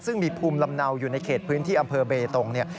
ซึ่งมีภูมิลำเนาอยู่ในเขตพื้นที่อำเภอเบตงเนี่ย